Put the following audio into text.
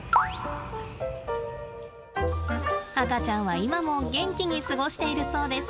赤ちゃんは今も元気に過ごしているそうです。